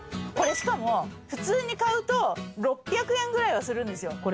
これしかも普通に買うと６００円ぐらいはするんですよ。